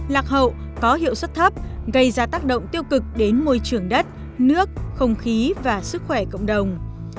lạc hậu có hiệu suất thấp gây ra tác động tiêu cực đến môi trường đất nước không khí và sức khỏe cộng đồng